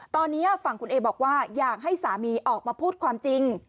ตอนนี้ฝั่งคุณเอบอกว่าอยากให้สามีออกมาพูดความจริง